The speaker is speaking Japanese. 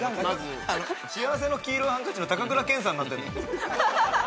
『幸福の黄色いハンカチ』の高倉健さんになってる。